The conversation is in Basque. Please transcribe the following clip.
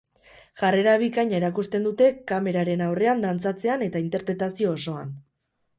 Jarrera bikaina erakusten dute kameraren aurrean dantzatzean eta interpretazio osoan.